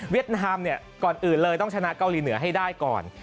นามเนี่ยก่อนอื่นเลยต้องชนะเกาหลีเหนือให้ได้ก่อน